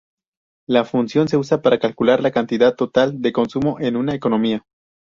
La función se usa para calcular la cantidad total de consumo en una economía.